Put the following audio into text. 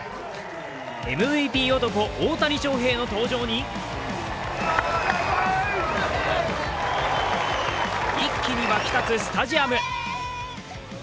ＭＶＰ男・大谷翔平の登場に一気に沸き立つスタジアム。